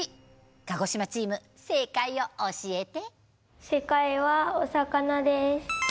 鹿児島チーム正解を教えて。